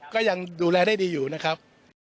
ก็ยังดูแลได้ดีอยู่นะครับ